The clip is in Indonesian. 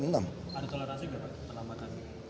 ada toleransi berapa